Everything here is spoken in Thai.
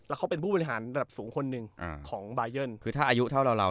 แล้วเขาเป็นผู้บริหารระดับสูงคนหนึ่งของบายันคือถ้าอายุเท่าเรา